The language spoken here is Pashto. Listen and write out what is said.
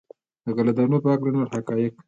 د غلو دانو په هکله نور حقایق.